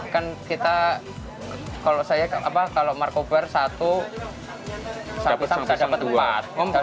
kan kita kalau saya kalau markobar satu sang pisang saya dapat dua